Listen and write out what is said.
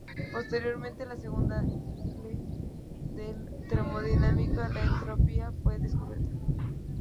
Posteriormente, la segunda ley de la termodinámica, la entropía, fue descubierta.